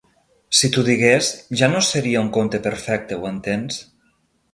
Si t'ho digués ja no seria un conte perfecte, ho entens?